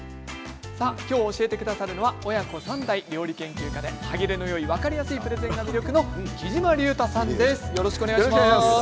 今日、教えてくださるのは親子３代料理研究家で歯切れのよい分かりやすいプレゼンが魅力のきじまりゅうたさんです。